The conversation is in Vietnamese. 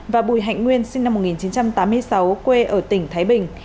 và bùi hạnh nguyên sinh năm một nghìn chín trăm tám mươi sáu quê ở tỉnh thái bình